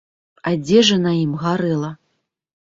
Адзежа на ім гарэла.